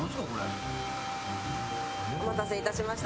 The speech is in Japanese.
お待たせいたしました。